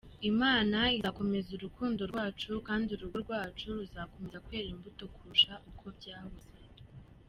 Imana izakomeza urukundo rwacu kandi urugo rwacu ruzakomeza kwera imbuto kurusha uko byahoze.